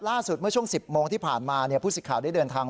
ล่าสุดเมื่อช่วง๑๐โมงที่ผ่านมาผู้สิทธิ์ข่าวได้เดินทาง